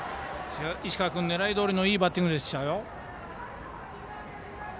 石川君、狙いどおりのいいバッティングでしたよ。